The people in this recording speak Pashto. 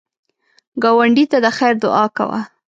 ګاونډي ته د خیر دعا کوه